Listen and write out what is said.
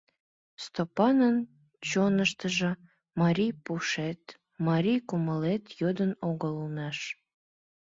— Стопанын чоныштыжо марий пушет, марий кумылет кодын огыл улмаш.